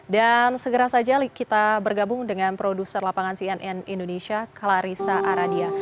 dan segera saja kita bergabung dengan produser lapangan cnn indonesia clarissa aradia